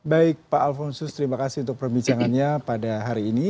baik pak alphonsus terima kasih untuk perbincangannya pada hari ini